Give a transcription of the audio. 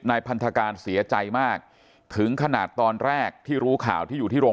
พันธการเสียใจมากถึงขนาดตอนแรกที่รู้ข่าวที่อยู่ที่โรง